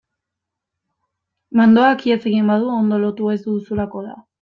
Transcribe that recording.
Mandoak ihes egin badu ondo lotu ez duzulako da.